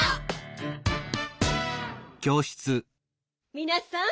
みなさん。